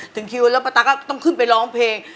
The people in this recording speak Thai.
ถึงคิวแล้วป้าตาก็ต้องขึ้นไปร้องเพลง